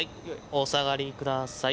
お下がりください。